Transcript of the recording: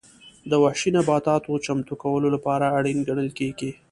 د وحشي نباتاتو چمتو کولو لپاره اړین ګڼل کېږي.